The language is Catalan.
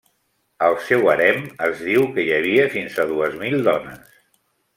Al seu harem, es diu que hi havia fins a dues mil dones.